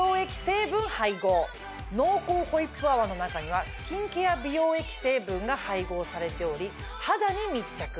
濃厚ホイップ泡の中にはスキンケア美容液成分が配合されており肌に密着。